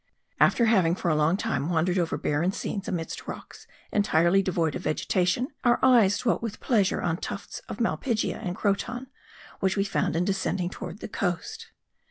After having for a long time wandered over barren scenes amidst rocks entirely devoid of vegetation, our eyes dwelt with pleasure on tufts of malpighia and croton, which we found in descending toward the coast.